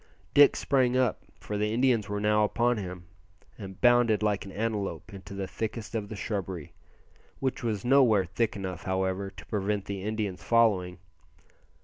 Dick sprang up, for the Indians were now upon him, and bounded like an antelope into the thickest of the shrubbery; which was nowhere thick enough, however, to prevent the Indians following.